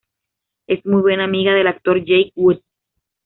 Es muy buena amiga del actor Jake Wood.